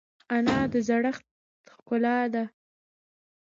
انا د زړښت ښکلا ده